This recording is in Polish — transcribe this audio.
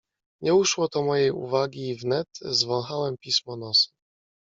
"Nie uszło to mojej uwagi i wnet zwąchałem pismo nosem."